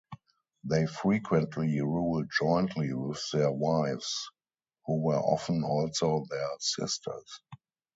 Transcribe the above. They frequently ruled jointly with their wives, who were often also their sisters.